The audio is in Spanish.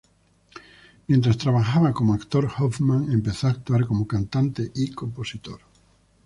Mientras trabajaba como actor, Hoffmann empezó a actuar como cantante y compositor.